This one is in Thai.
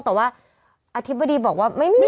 แต่ว่าอธิบดีบอกว่าไม่มี